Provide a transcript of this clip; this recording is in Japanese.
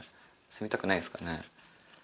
住みたくないですかね？